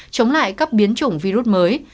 chống lại các biến chủng virus mới